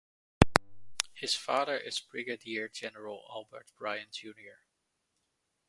His father is Brigadier General Albert Bryant Jr.